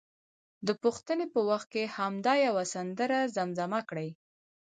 د پوښتنې په وخت کې همدا یوه سندره زمزمه کړي.